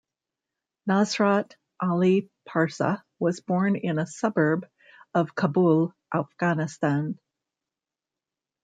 Nasrat Ali Parsa was born in a suburb of Kabul, Afghanistan.